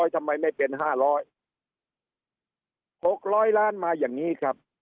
ทำไมไม่เป็นห้าร้อยหกร้อยล้านมาอย่างนี้ครับ